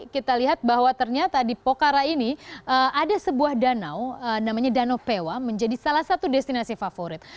kita lihat bahwa ternyata di pokhara ini ada sebuah danau namanya danau pewa menjadi salah satu destinasi favorit